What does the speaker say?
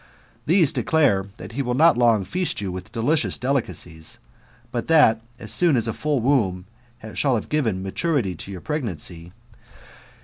These declare that he will not long feast you with delicious delicacies, but that, as soon as a full womb sImU have given maturity to your pregnancy.